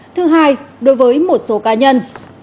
thứ hai đối với một số cá nhân